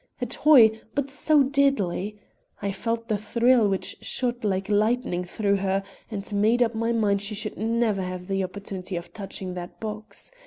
A toy, but so deadly! I felt the thrill which shot like lightning through her, and made up my mind she should never have the opportunity of touching that box.